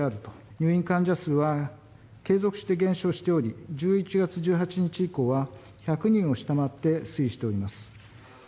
入院患者数は継続して減少しており、１１月１８日以降は１００人を下回って推移しております。